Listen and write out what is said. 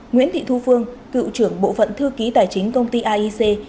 nguyễn thị thu phương cựu trưởng bộ phận thư ký tài chính công ty aic bị tuyên phạt sáu năm tù